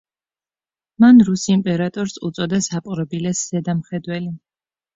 მან რუს იმპერატორს უწოდა „საპყრობილეს ზედამხედველი“.